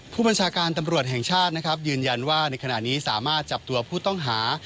ผู้บัญชาการตำรวจแห่งชาตินะครับยืนยันว่าในขณะนี้สามารถจับตัวผู้ต้องหา